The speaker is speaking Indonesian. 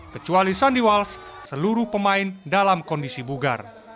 kecuali sandy walsh seluruh pemain dalam kondisi bugar